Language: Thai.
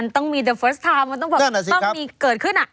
ต้องมีเกิดขึ้น